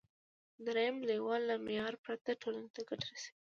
دریم لیول له معیار پرته ټولنې ته ګټه رسوي.